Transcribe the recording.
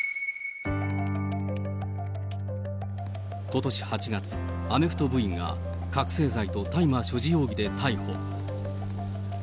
ことし８月、アメフト部員が覚醒剤と大麻所持容疑で逮捕。